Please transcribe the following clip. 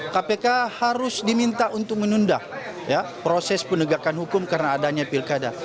kpk harus diminta untuk menunda proses penegakan hukum karena adanya pilkada